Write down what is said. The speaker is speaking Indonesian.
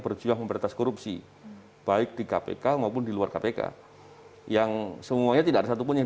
berjuang memberantas korupsi baik di kpk maupun di luar kpk yang semuanya tidak ada satupun yang